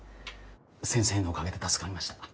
先生のおかげで助かりました。